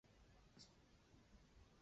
县治窝利卡。